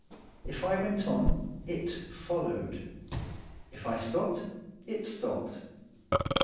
If I went on, it followed. If I stopped, it stopped.